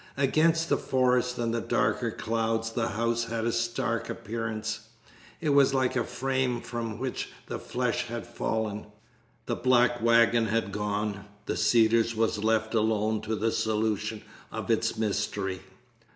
Against the forest and the darker clouds the house had a stark appearance. It was like a frame from which the flesh has fallen. The black wagon had gone. The Cedars was left alone to the solution of its mystery.